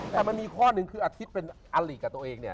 แต่มันมีข้อหนึ่งคืออาทิตย์เป็นอลิกับตัวเองเนี่ย